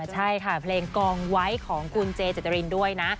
ใช่ค่ะเพลงกองไว้ของคุณเจเจตรินด้วยนะ